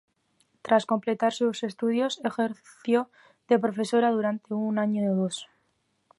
Tras completar sus estudios, ejerció de profesora durante un año o dos.